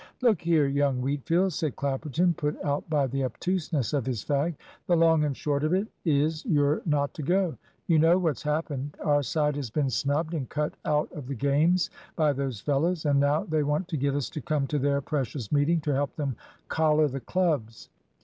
"Look here, young Wheatfield," said Clapperton, put out by the obtuseness of his fag, "the long and short of it is you're not to go. You know what's happened. Our side has been snubbed and cut out of the games by those fellows; and now they want to get us to come to their precious meeting to help them collar the clubs."